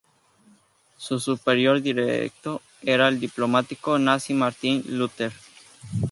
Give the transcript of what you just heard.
Su superior directo era el diplomático nazi Martin Luther.